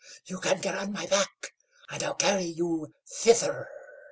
You can get on my back, and I'll carry you thither."